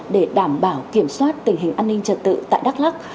để đảm bảo kiểm soát tình hình an ninh trật tự tại đắk lắc